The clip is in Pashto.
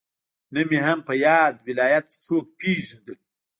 نه مې هم په ياد ولايت کې څوک پېژندل.